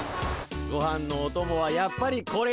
ごはんのおともはやっぱりこれにかぎるで。